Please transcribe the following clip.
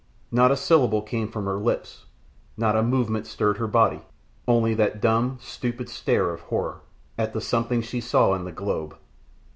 Not a syllable came from her lips, not a movement stirred her body, only that dumb, stupid stare of horror, at the something she saw in the globe.